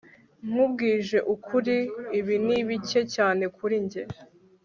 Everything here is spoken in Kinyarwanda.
nkubwije ukuri, ibi ni bike cyane kuri njye